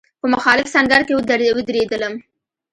په مخالف سنګر کې ودرېدلم.